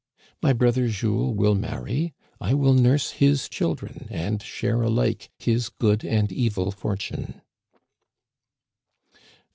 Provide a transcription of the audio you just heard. My brother Jules will marry; I will nurse his children, and share alike his good and evil fortune."